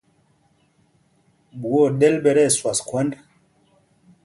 Ɓuá o ɗɛ́l ɓɛ tí ɛsüas khwánd.